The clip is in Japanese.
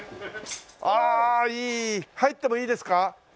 ああいい入ってもいいですか？